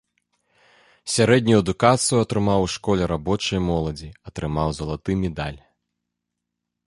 Сярэднюю адукацыю атрымаў у школе рабочай моладзі, атрымаў залаты медаль.